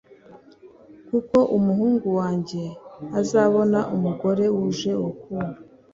kuko umuhungu wanjye azabona umugore wuje urukundo,